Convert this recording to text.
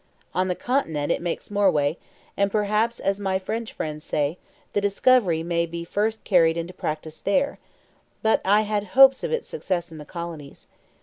On the Continent it makes more way; and, perhaps, as my French friends say, the discovery may be first carried into practice there; but I had hopes of its success in the colonies.